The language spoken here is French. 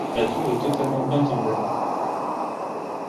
La tour est totalement peinte en blanc.